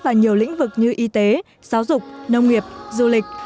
và nhiều lĩnh vực như y tế giáo dục nông nghiệp du lịch